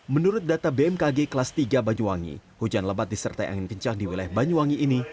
menurut data bmkg kelas tiga banyuwangi hujan lebat disertai angin kencang di wilayah banyuwangi ini